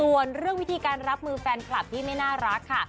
ส่วนเรื่องวิธีการรับมือแฟนคลับที่ไม่น่ารักค่ะ